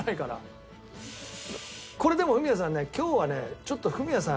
これでもフミヤさんね今日はねちょっとフミヤさん